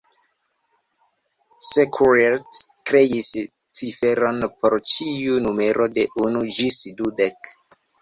Sequoyah kreis ciferon por ĉiu numero de unu ĝis dudek